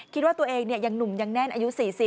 คิดว่าตัวเองยังหนุ่มยังแน่นอายุ๔๐